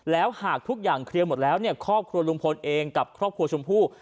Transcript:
แล้วหากทุกอย่างเคลียร์หมดแล้วเนี่ยครอบครัวลุงพลเองกับครอบครัวชมพู่